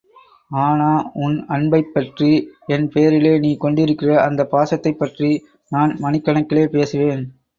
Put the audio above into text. ஆனா உன் அன்பைப் பற்றி, என் பேரிலே நீ கொண்டிருக்கிற அந்தப் பாசத்தைப் பற்றி நான் மணிக்கணக்கிலே பேசுவேன்.